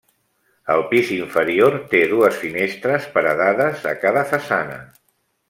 El pis inferior té dues finestres paredades a cada façana.